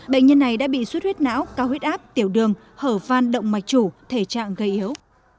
bệnh nhân này đã bị suất huyết não cao huyết áp tiểu đường hở van động mạch chủ thể trạng gây yếu